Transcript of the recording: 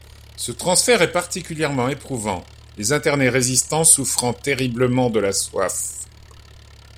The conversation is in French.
Ce transfert est particulièrement éprouvant, les internés résistants souffrant terriblement de la soif.